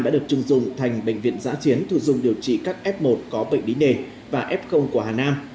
đã được trưng dùng thành bệnh viện giã chiến thuộc dùng điều trị các f một có bệnh lý nề và f của hà nam